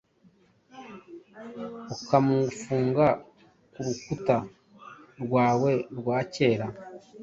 ukamufunga kurukuta rwawe rwa kera?